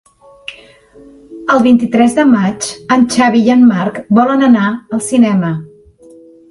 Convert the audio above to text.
El vint-i-tres de maig en Xavi i en Marc volen anar al cinema.